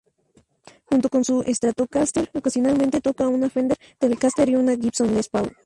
Junto con su Stratocaster, ocasionalmente toca una Fender Telecaster y una Gibson Les Paul.